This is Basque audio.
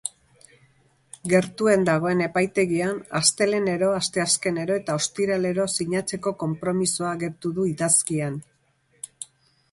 Gertuen dagoen epaitegian astelehenero, asteazkenero eta ostiralero sinatzeko konpromisoa agertu du idazkian.